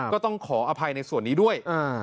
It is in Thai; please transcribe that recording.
ก็ต้องขออภัยในส่วนนี้ด้วย